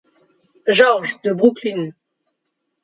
George de Brooklyn.